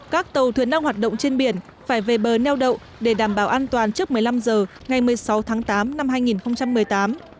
các tàu thuyền đang hoạt động trên biển phải về bờ neo đậu để đảm bảo an toàn trước một mươi năm h ngày một mươi sáu tháng tám năm hai nghìn một mươi tám